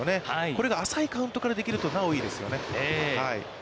これが浅いカウントでできるとなおいいですよね。